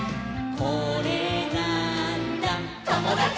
「これなーんだ『ともだち！』」